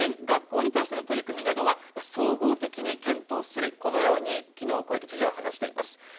学校に対しての取り組みなどは総合的に検討するとこのように昨日小池知事は話しています。